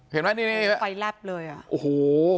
เห็นมั้ยนี่โอ้โห